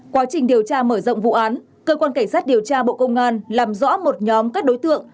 quá trình điều tra mở rộng vụ án cơ quan cảnh sát điều tra bộ công an làm rõ một nhóm các đối tượng